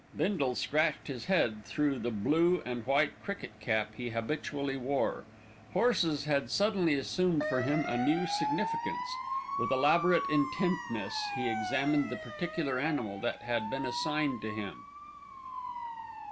Bindle scratched his head through the blue and white cricket cap he habitually wore. Horses had suddenly assumed for him a new significance. With elaborate intentness he examined the particular animal that had been assigned to him.